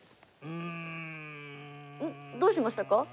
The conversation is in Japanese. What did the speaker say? うん。どうしましたか？